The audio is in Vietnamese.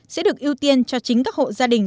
sẽ được ưu tiên cho chính các hộ gia đình